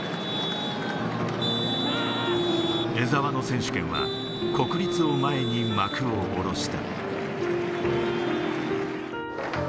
江沢の選手権は、国立を前に幕をおろした。